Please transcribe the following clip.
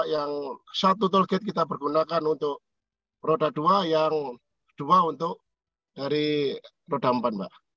yang satu tol gate kita bergunakan untuk roda dua yang dua untuk dari roda empat mbak